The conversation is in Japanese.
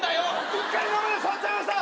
うっかり生で触っちゃいました！